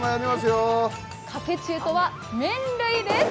かけ中とは麺類です。